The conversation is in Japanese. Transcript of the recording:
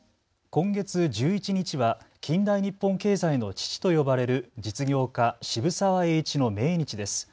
今月１１日は近代日本経済の父と呼ばれる実業家、渋沢栄一の命日です。